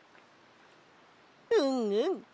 うんうん。